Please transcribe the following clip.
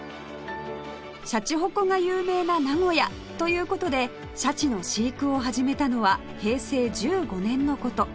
シャチホコが有名な名古屋という事でシャチの飼育を始めたのは平成１５年の事